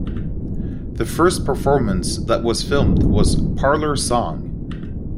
The first performance that was filmed was 'Parlour Song'.